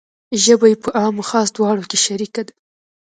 ژبه یې په عام و خاص دواړو کې شریکه ده.